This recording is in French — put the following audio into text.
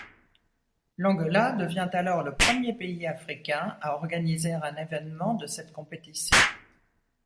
L'Angola devient alors le premier pays africain à organiser un événement de cette compétition.